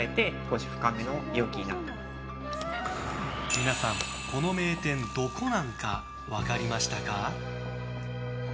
皆さん、この名店ドコナンか分かりましたか？